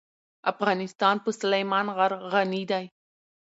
افغانستان په سلیمان غر غني دی.